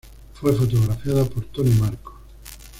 Fue fotografiada por Tony Marco.